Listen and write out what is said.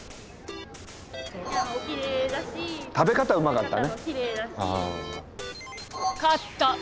食べ方うまかったね。